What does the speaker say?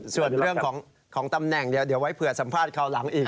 ส่วนเรื่องของตำแหน่งเดี๋ยวไว้เผื่อสัมภาษณ์คราวหลังอีก